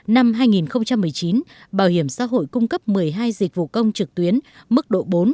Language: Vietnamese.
năm hai nghìn một mươi chín bảo hiểm xã hội cung cấp một mươi hai dịch vụ công trực tuyến mức độ bốn